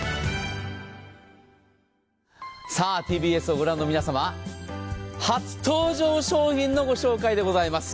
ＴＢＳを御覧の皆様、初登場商品のご紹介でございます。